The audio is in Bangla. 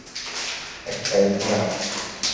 এক পায়ে খাড়া!